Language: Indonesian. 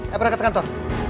eh berdekat kantor